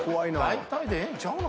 大体でええんちゃうの？